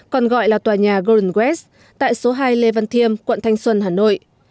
còn gọi là tòa nhà golden west tại số hai lê văn thiêm quận thanh xuân hà nội